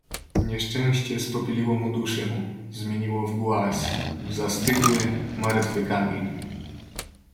"Nieszczęście spopieliło mu duszę, zmieniło w głaz, w zastygły, martwy kamień."